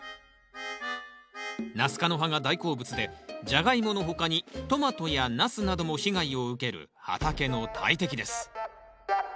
ナス科の葉が大好物でジャガイモの他にトマトやナスなども被害を受ける畑の大敵です。